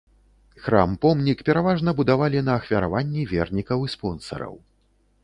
Храм-помнік пераважна будавалі на ахвяраванні вернікаў і спонсараў.